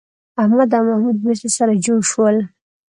احمد او محمود بېرته سره جوړ شول